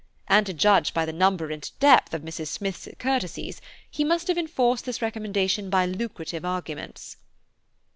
And to judge by the number and depth of Mrs. Smith's courtesies, he must have enforced this recommendation by lucrative arguments."